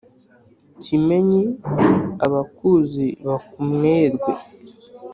kimenyi abakuzi bakumwerwe.